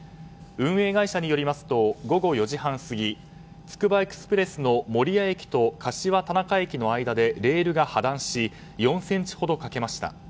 運営会社によりますと午後４時半過ぎつくばエクスプレスの守谷駅と柏たなか駅のレールが破断し４ｃｍほど欠けました。